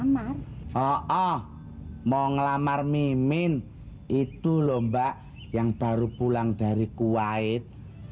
mau ngelamar mimin itu lomba yang baru pulang dari kuwait